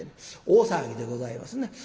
大騒ぎでございます。